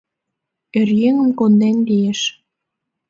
Оръеҥым конден лиеш...